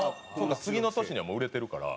次の年にはもう売れてるから。